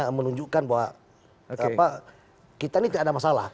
yang menunjukkan bahwa kita ini tidak ada masalah